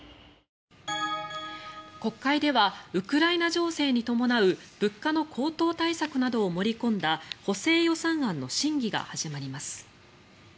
国会ではウクライナ情勢に伴う物価の高騰対策などを盛り込んだ補正予算案の審議が始まります。